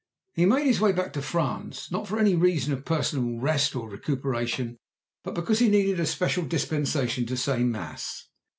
He made his way back to France, not for any reason of personal rest or recuperation, but because he needed a special dispensation to say Mass.